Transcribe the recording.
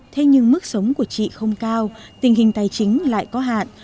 thế nhưng mức sống của chị không cao tình hình tài chính lại có hạn